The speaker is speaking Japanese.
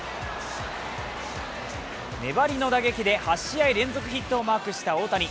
粘りの打撃で８試合連続ヒットをマークした大谷。